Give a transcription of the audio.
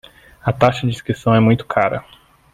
A taxa de inscrição é muito cara